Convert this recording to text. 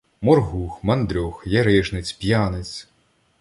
Моргух, мандрьох, ярижниць, п'яниць